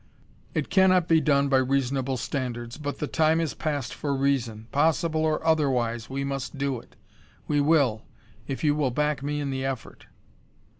"It cannot be done by reasonable standards, but the time is past for reason. Possible or otherwise, we must do it. We will if you will back me in the effort!"